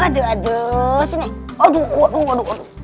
aduh aduh sini aduh aduh aduh aduh